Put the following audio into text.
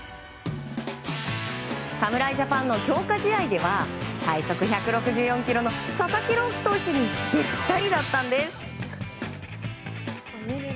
侍ジャパンの強化試合では最速１６４キロの佐々木朗希投手にべったりだったんです。